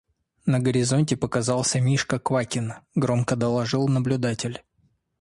– На горизонте показался Мишка Квакин! – громко доложил наблюдатель.